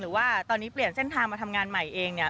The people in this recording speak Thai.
หรือว่าตอนนี้เปลี่ยนเส้นทางมาทำงานใหม่เองเนี่ย